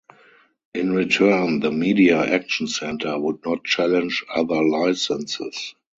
In return, the Media Action Center would not challenge other licenses.